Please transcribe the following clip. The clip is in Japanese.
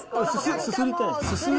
すすりたいの。